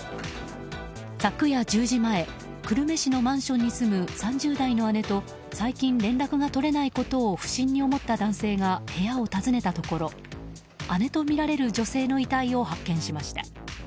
昨夜１０時前久留米市のマンションに住む３０代の姉と最近、連絡が取れないことを不審に思った男性が部屋を訪ねたところ姉とみられる女性の遺体を発見しました。